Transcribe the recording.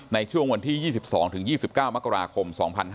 ในช่วงวันที่๒๒๒๙มกราคม๒๕๕๙